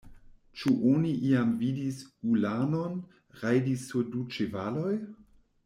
Ĉu oni iam vidis ulanon rajdi sur du ĉevaloj!?